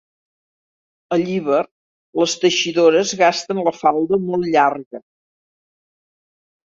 A Llíber les teixidores gasten la falda molt llarga.